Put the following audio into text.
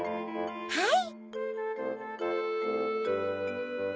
はい。